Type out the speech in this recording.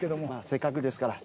せっかくですから。